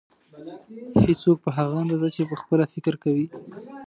هېڅوک په هغه اندازه چې پخپله فکر کوي.